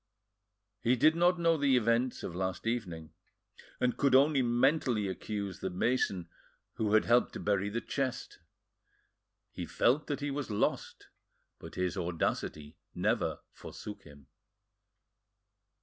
He did not know the events of last evening, and could only mentally accuse the mason who had helped to bury the chest. He felt that he was lost, but his audacity never forsook him.